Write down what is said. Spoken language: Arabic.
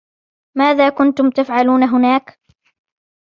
ماذا كُنتم تفعلون هناك؟